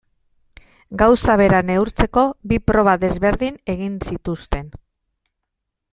Gauza bera neurtzeko bi proba desberdin egin zituzten.